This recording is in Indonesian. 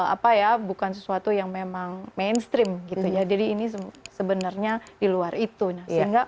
apa ya bukan sesuatu yang memang mainstream gitu ya jadi ini sebenarnya di luar itu sehingga